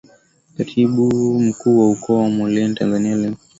Katibu Mkuu wa Ukoo wa Mollel Tanzania Laigwanani Saitabau Namoyo